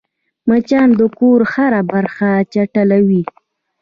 مچان د کور هره برخه چټلوي